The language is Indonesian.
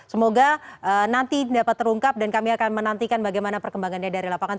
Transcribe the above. semoga nanti dapat terungkap dan kami akan menantikan bagaimana perkembangannya dari lapangan